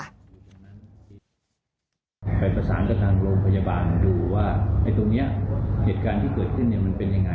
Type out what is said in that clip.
ไปประสานกับทางโรงพยาบาลดูว่าไอ้ตรงนี้เหตุการณ์ที่เกิดขึ้นมันเป็นยังไง